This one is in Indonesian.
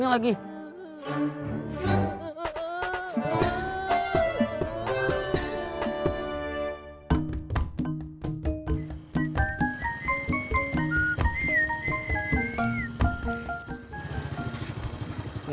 tunggu aku mau